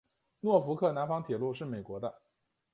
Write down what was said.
诺福克南方铁路是美国的。